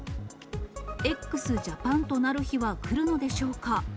Ｘジャパンとなる日は来るのでしょうか。